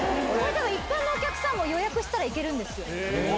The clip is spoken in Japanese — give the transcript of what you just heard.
一般のお客さんも予約したら行けるんですよ。